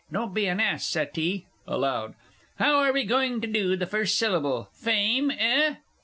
Don't be an ass, Settee! (Aloud.) How are we going to do the first syllable "Fame," eh?